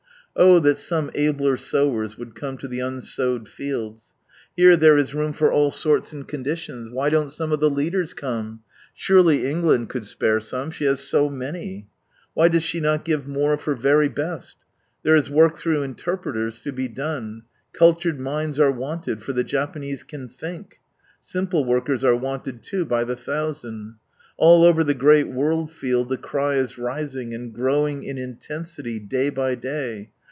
Oh ! that some abler sowers would come to the unsowed fields. Here there ia room for all sorts and conditions. Why don't some of the leaders come ? Surely England could spare some. She has so many. Why does not she give more of her vtry best ? There is work through interpreters to be done. Cultured minds are wanted, for the Japanese can think. Simple workers are wanted, too, by the thousand. AH over the great world field the cry is rising, and growing in intensity day by day.